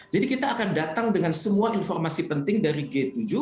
jadi kita akan datang dengan semua informasi penting dari g tujuh